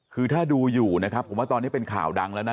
คือถ้าดูอยู่นะครับผมว่าตอนนี้เป็นข่าวดังแล้วนะ